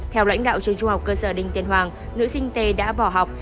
theo lãnh đạo trường trung học cơ sở đinh tiên hoàng nữ sinh tê đã bỏ học